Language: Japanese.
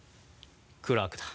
クラークだ。